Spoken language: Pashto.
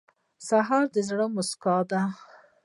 سهار د زړه موسکا ده.